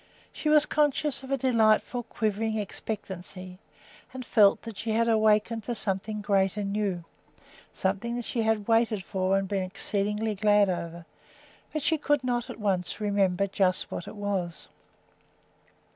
She was conscious of a delightful, quivering expectancy, and felt that she had awakened to something great and new, something that she had waited for and been exceedingly glad over; but she could not at once remember just what it was.